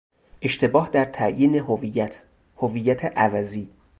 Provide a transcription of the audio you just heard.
اشتباه در تعیین هویت، هویت عوضی